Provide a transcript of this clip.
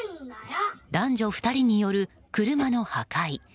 男女２人による車の破壊。